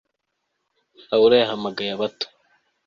Laura yahamagaye abato